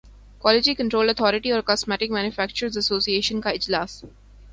quality control authority اور cosmetics manufacturers association کا اجلاس